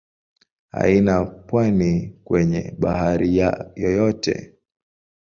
Haina pwani kwenye bahari yoyote.